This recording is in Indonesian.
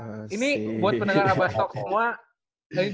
ini buat pendengar abas talk semua